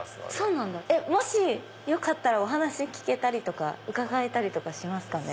もしよかったらお話聞けたり伺えたりとかしますかね？